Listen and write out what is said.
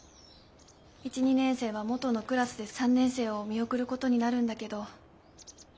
１２年生は元のクラスで３年生を見送ることになるんだけど。